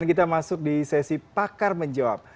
kita masuk di sesi pakar menjawab